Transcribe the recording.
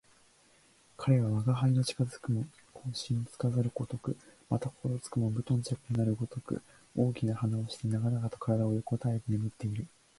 彼は吾輩の近づくのも一向心付かざるごとく、また心付くも無頓着なるごとく、大きな鼾をして長々と体を横えて眠っている